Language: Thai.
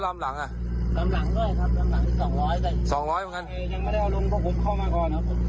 รหลามหลางก็อย่างงั้นครับ๒๐๐ค่ะ